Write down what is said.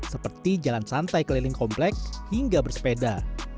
seperti jalan santai keliling komplek hingga bersepeda